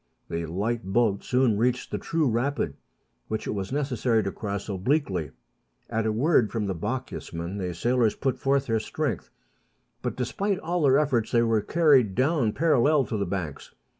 The light boat soon reached the true rapid, which it was necessary to cross obliquely. At a word from the Bochjesman, the sailors put forth their strength ; but, despite all their efforts, they were carried down parallel to the banks.